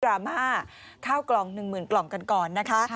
กรามาข้าวกล่องหนึ่งหมื่นกล่องกันก่อนนะคะ